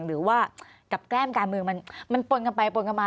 หรือว่ากับแก้มการเมืองมันปนกันไปปนกันมา